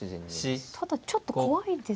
ただちょっと怖いですよね同金。